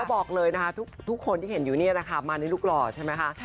บอกเลยทุกคนที่เห็นอยู่นี่มาในลูกหล่อใช่ไหมค่ะ